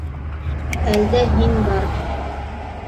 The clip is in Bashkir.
Әлдә һин барһың...